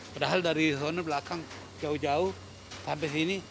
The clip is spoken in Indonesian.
padahal dari zona belakang jauh jauh sampai sini